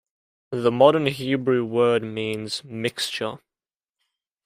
The Modern Hebrew word means "mixture".